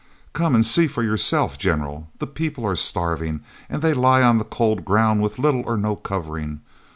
"Come and see for yourself, General. The people are starving, and they lie on the cold ground with little or no covering.